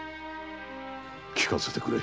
聞かせてくれ。